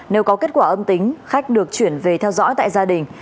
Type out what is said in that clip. nếu có kết quả âm tính khách được chuyển về theo dõi tại gia đình